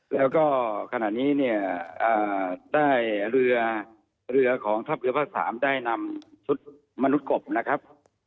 แล้วก็ขณะนี้เนี่ยได้เรือเรือของทัพเรือภาค๓ได้นำชุดมนุษย์กบนะครับ